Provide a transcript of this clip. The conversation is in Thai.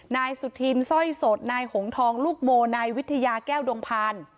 นายสุธินสร้อยสดนายหงทองลูกโมนายวิทยาแก้วดงพาน